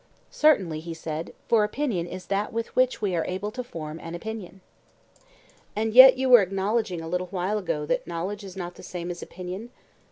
Certainly, he said; for opinion is that with which we are able to form an opinion. And yet you were acknowledging a little while ago that knowledge is not the same as opinion?